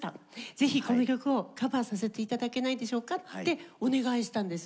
是非この曲をカバーさせて頂けないでしょうか？」ってお願いしたんです。